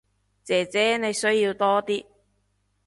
姐姐你需要多啲